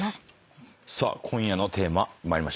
さあ今夜のテーマ参りましょう。